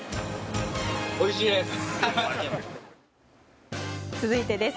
おいしいです！